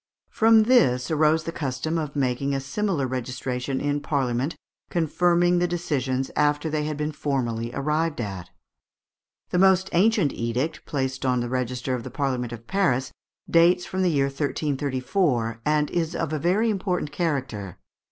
From this arose the custom of making a similar registration in Parliament, confirming the decisions after they had been formally arrived at. The most ancient edict placed on the register of the Parliament of Paris dates from the year 1334, and is of a very important character.